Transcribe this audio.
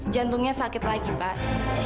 jantungnya sakit lagi pak